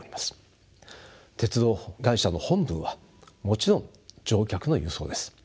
鉄道会社の本分はもちろん乗客の輸送です。